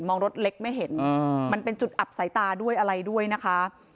รถเล็กไม่เห็นมันเป็นจุดอับสายตาด้วยอะไรด้วยนะคะ